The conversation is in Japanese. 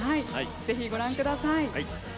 ぜひ、ご覧ください。